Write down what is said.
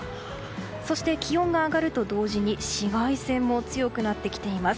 そして、気温が上がると同時に紫外線も強くなってきています。